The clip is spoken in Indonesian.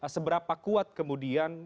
seberapa kuat kemudian